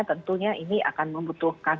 tentunya ini akan membutuhkan